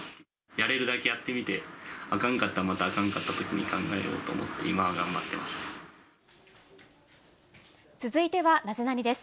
やれるだけやってみて、あかんかったら、またあかんかったときに考えようと思って、今は頑張って続いてはナゼナニっ？